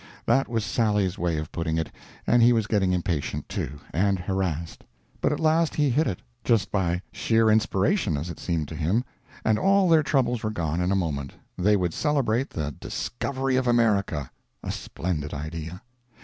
That was Sally's way of putting it; and he was getting impatient, too, and harassed. But at last he hit it just by sheer inspiration, as it seemed to him and all their troubles were gone in a moment; they would celebrate the Discovery of America. A splendid idea!